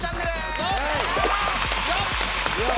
よっ！